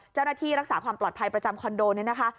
เจ้าหน้าที่รักษาความปลอดภัยประจำคอนโดเนี่ยนะคะ